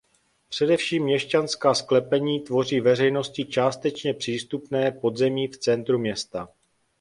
Především měšťanská sklepení tvoří veřejnosti částečně přístupné podzemí v centru města.